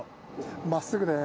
真っすぐです。